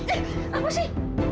eh apa sih